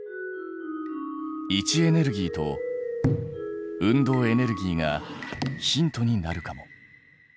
位置エネルギーと運動エネルギーがヒントになるかも。